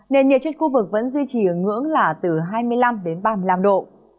nên nhiệt chất khu vực vẫn duy trì ở ngưỡng là từ hai mươi năm ba mươi năm độ